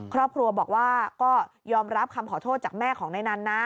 ครอบครัวบอกว่าก็ยอมรับคำขอโทษจากแม่ของนายนันนะ